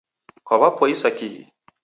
Kwaw'apoisa kihi?